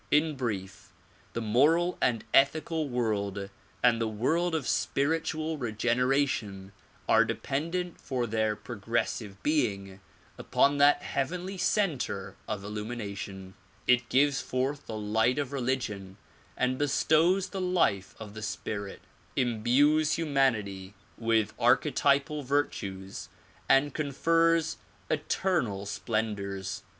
In brief, the moral and ethical world and the world of spiritual regeneration are dependent for their progressive being upon that heavenly center of illumination. It gives forth the light of religion and bestows the life of the spirit, imbues humanity with DISCOURSES DELIVERED IN CIIICxVGO 91 archetypal virtues and confers eternal splendors.